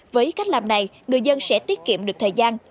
với cách làm này người dân sẽ tiết kiệm được thời gian